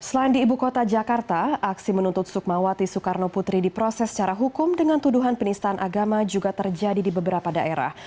selain di ibu kota jakarta aksi menuntut sukmawati soekarno putri diproses secara hukum dengan tuduhan penistaan agama juga terjadi di beberapa daerah